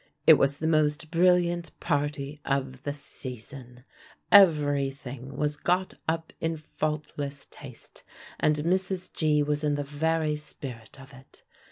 It was the most brilliant party of the season. Every thing was got up in faultless taste, and Mrs. G. was in the very spirit of it.